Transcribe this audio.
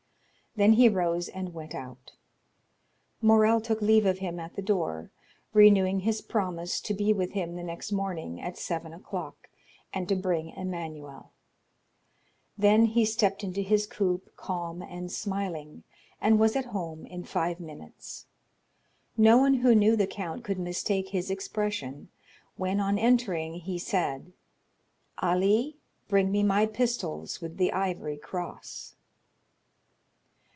_" then he rose and went out. Morrel took leave of him at the door, renewing his promise to be with him the next morning at seven o'clock, and to bring Emmanuel. Then he stepped into his coupé, calm and smiling, and was at home in five minutes. No one who knew the count could mistake his expression when, on entering, he said: "Ali, bring me my pistols with the ivory cross."